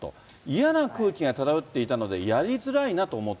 嫌な空気が漂っていたので、やりづらいなと思った。